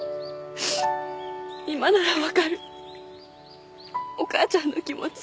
今ならわかるお母ちゃんの気持ち。